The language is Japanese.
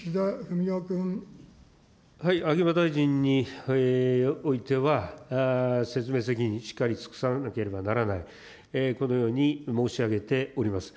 秋葉大臣においては、説明責任、しっかり尽くさなければならない、このように申し上げております。